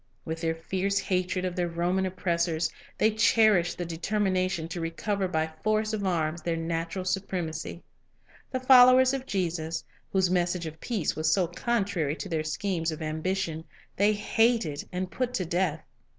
With their fierce hatred of their Roman oppress ors, they cherished the determination to recover by force of arms their national supremacy. The followers of Jesus, whose message of peace was so contrary to their schemes of ambition, they hated and put to death.